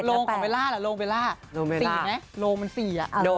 โรงของเบลล่าล่ะโรงเบลล่า๔ไหมโรงมัน๔อ่ะ